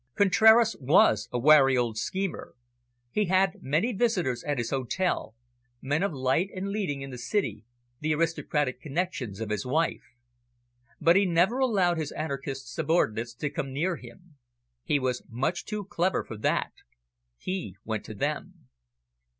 Contraras was a wary old schemer. He had many visitors at his hotel men of light and leading in the city, the aristocratic connections of his wife. But he never allowed his anarchist subordinates to come near him. He was much too clever for that. He went to them.